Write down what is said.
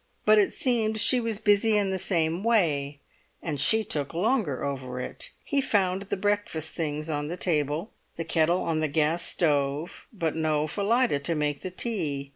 But it seemed she was busy in the same way, and she took longer over it. He found the breakfast things on the table, the kettle on the gas stove, but no Phillida to make the tea.